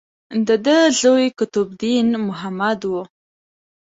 د ده زوی قطب الدین محمد و.